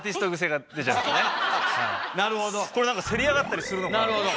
これせり上がったりするのかなと。